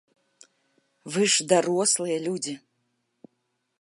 Вы ж дарослыя людзі.